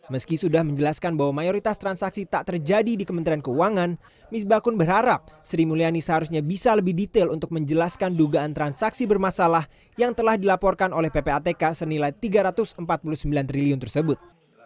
meski sudah menjelaskan bahwa mayoritas transaksi tak terjadi di kementerian keuangan misbakun berharap sri mulyani seharusnya bisa lebih detail untuk menjelaskan dugaan transaksi bermasalah yang telah dilaporkan oleh ppatk senilai rp tiga ratus empat puluh sembilan triliun tersebut